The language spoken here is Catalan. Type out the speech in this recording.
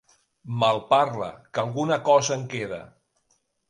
Malparla, que alguna cosa en queda.